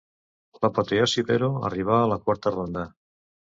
L'apoteosi, però, arribà a la quarta ronda.